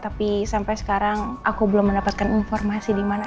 tapi sampai sekarang aku belum mendapatkan informasi dimana